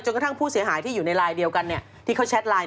จนกระทั้งผู้เสียหายที่อยู่ในไลน์เดียวกันเนี่ย